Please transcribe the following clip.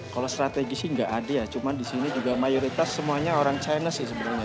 kalau strategis sih gak ada ya cuman disini juga mayoritas semuanya orang china sih sebenernya